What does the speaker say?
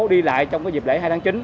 đi lại trong dịp lễ hai tháng chín